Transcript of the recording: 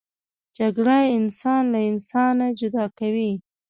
جګړه انسان له انسان جدا کوي